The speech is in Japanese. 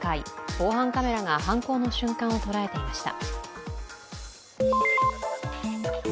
防犯カメラが犯行の瞬間を捉えていました。